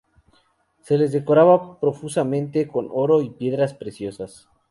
Se los decoraba profusamente con oro y piedras preciosas.